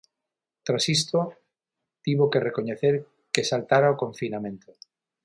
Tras isto tivo que recoñecer que saltara o confinamento.